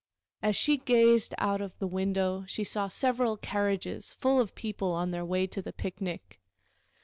As she gazed out of the window she saw several carriages full of people on their way to the picnic.